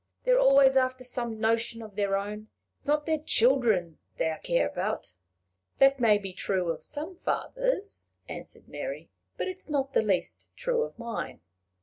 "They're always after some notion of their own. It's not their children they care about." "That may be true of some fathers," answered Mary; "but it is not the least true of mine."